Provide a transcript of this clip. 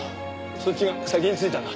そっちが先に着いたな。